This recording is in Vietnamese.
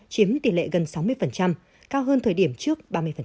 chiếm tỷ lệ gần sáu mươi cao hơn thời điểm trước ba mươi